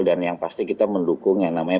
dan yang pasti kita mendukung yang namanya